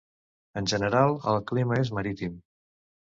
En general, el clima és marítim.